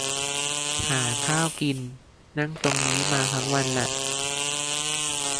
หาข้าวกิน นั่งตรงนี้มาทังวันละ